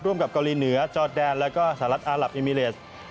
กับเกาหลีเหนือจอดแดนแล้วก็สหรัฐอารับเอมิเลส